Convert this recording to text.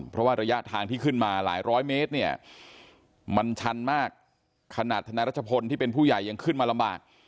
เพราะว่าระยะทางที่ขึ้นมาหลายร้อยเมตรเนี่ยมันชันมากขนาดธนายรัชพลที่เป็นผู้ใหญ่ยังขึ้นมาลำบาก